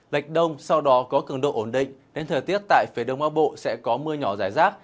lệch đông sau đó có cường độ ổn định nên thời tiết tại phía đông bắc bộ sẽ có mưa nhỏ rải rác